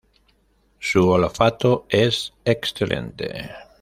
Su olfato es excelente.